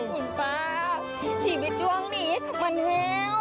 คุณฟ้าชีวิตช่วงนี้มันแห้ว